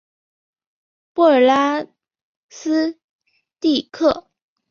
布尔拉斯蒂克。